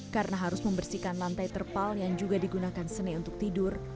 karena harus membersihkan lantai terpal yang juga digunakan sene untuk tidur